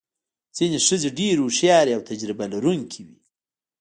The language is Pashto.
ځینې ښځې ډېرې هوښیارې او تجربه لرونکې وې.